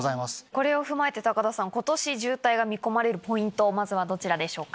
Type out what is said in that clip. これを踏まえて田さん今年渋滞が見込まれるポイントまずはどちらでしょうか？